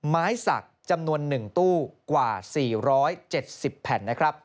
ไม้สักจำนวน๑ตู้กว่า๔๗๐แผ่นนะครับ